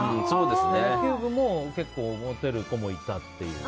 野球部も結構モテる子もいたという。